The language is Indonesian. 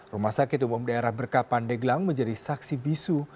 rumah sakit umum daerah berka pandeglang menjadi saksi bisu